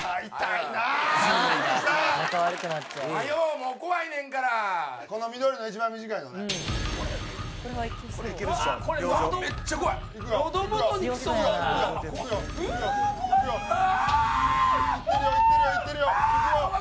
いってるよいってるよいくよいくよいくよ！